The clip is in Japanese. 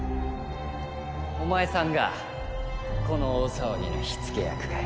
お前さんがこの大騒ぎの火付け役かい？